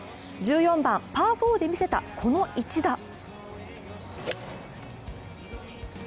１４番、パー４で見せたこの１打。